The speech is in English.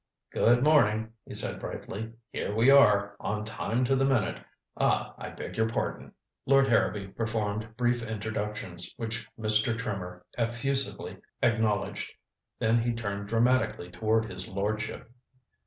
"Good morning," he said brightly. "Here we are, on time to the minute. Ah I beg your pardon." Lord Harrowby performed brief introductions, which Mr. Trimmer effusively acknowledged. Then he turned dramatically toward his lordship.